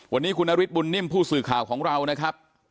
วันนี้คุณนฤทธบุญนิ่มผู้สื่อข่าวของเรานะครับ